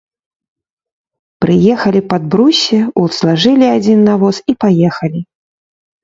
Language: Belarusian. Прыехалі пад бруссе, узлажылі адзін на воз і паехалі.